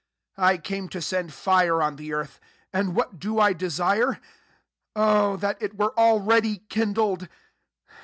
49 " I came to send fire ott the earth ; and what do I de sire ? O that it were already kindled